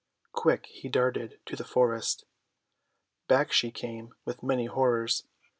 Quick she darted to the forest. Back she came with many horrors.